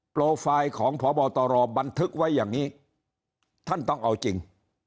โปรไฟล์ของพบตรบันทึกไว้อย่างนี้ท่านต้องเอาจริง